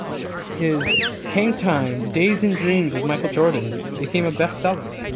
His "Hang Time: Days and Dreams with Michael Jordan" became a bestseller.